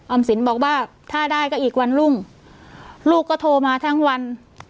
สินบอกว่าถ้าได้ก็อีกวันรุ่งลูกก็โทรมาทั้งวัน